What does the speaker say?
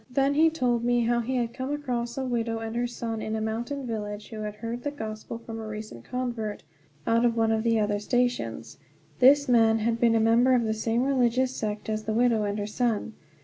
Then he told me how he had come across a widow and her son in a mountain village, who had heard the Gospel from a recent convert out of one of the other stations. This man had been a member of the same religious sect as the widow and her son.